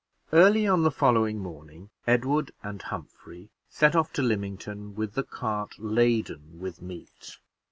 Early on the following morning, Edward and Humphrey set off to Lymington with the cart laden with meat.